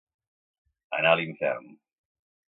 Anar a l'infern.